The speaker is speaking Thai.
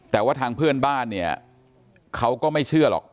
แต่ว่าทางเพื่อนบ้านเนี่ยเขาก็ไม่เชื่อหรอก